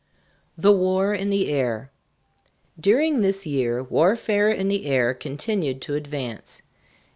THE WAR IN THE AIR. During this year warfare in the air continued to advance.